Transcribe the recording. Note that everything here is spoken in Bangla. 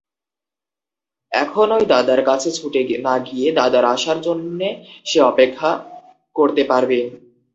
এখনই দাদার কাছে ছুটে না গিয়ে দাদার আসার জন্যে সে অপেক্ষা করতে পারবে।